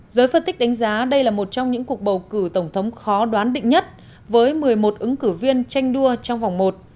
giới phân tích đánh giá đây là một trong những cuộc bầu cử tổng thống khó đoán định nhất với một mươi một ứng cử viên tranh đua trong vòng một